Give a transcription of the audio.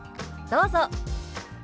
どうぞ。